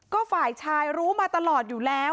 ก็ฝ่ายชายรู้มาตลอดอยู่แล้ว